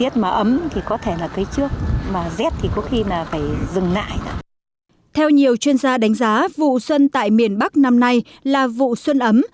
theo nhiều chuyên gia đánh giá vụ xuân tại miền bắc năm nay là vụ xuân ấm